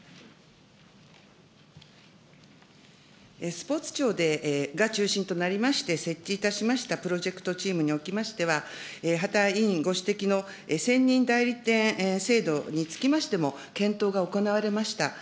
スポーツ庁が中心となりまして、設置いたしましたプロジェクトチームにおきましては、羽田委員ご指摘の専任代理店制度につきましても、検討が行われました。